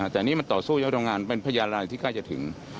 แต่นี่มันต่อสู้ยังก็เป็นพยาบาลที่ใกล้จะถึง